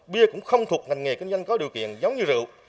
bia cũng không thuộc ngành nghề kinh doanh có điều kiện giống như rượu